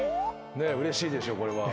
うれしいでしょこれは。